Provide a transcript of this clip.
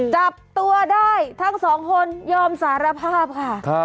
จับตัวได้ทั้งสองคนยอมสารภาพค่ะ